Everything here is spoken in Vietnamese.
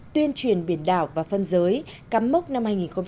tuyên truyền biển đảo và phân giới cắm mốc năm hai nghìn một mươi sáu